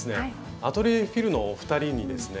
アトリエＦｉｌのお二人にですね